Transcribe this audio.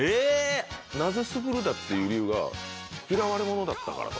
なぜスグルだっていう理由が嫌われ者だったからと。